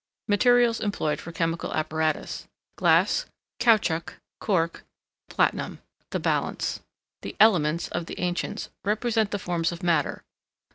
Materials employed for Chemical Apparatus: GLASS CAOUTCHOUC CORK PLATINUM. THE BALANCE. The "Elements" of the Ancients, represent the forms of matter.